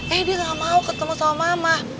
eh dia gak mau ketemu sama mama